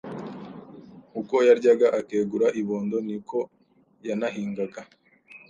Uko yaryaga akegura ibondo, ni ko yanahingaga.